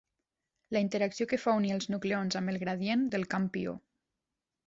La interacció que fa unir els nucleons amb el "gradient" del camp pió.